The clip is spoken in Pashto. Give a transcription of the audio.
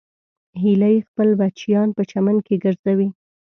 هیلۍ خپل بچیان په چمن کې ګرځوي